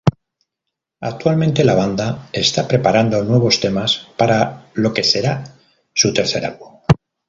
Actualmente la banda está preparando nuevos temas para lo que será su tercer álbum.